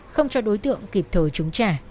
không cho đối tượng kịp thời trúng trả